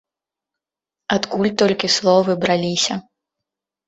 Адкуль толькі словы браліся!